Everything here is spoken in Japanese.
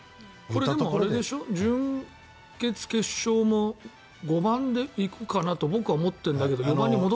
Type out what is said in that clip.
でも、準決、決勝も５番で行くかなと僕は思ってるんだけど４番に戻す？